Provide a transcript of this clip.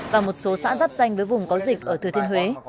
và một số xã giáp danh với vùng có dịch ở thừa thiên huế